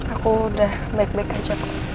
aku udah baik baik aja